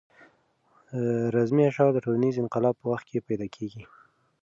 رزمي اشعار د ټولنیز انقلاب په وخت کې پیدا کېږي.